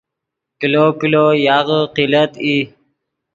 کلو کلو یاغے قلت ای